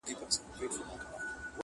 • دا حلال به لا تر څو پر موږ حرام وي,